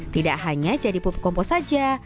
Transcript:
tidak hanya jadi pupuk kompos saja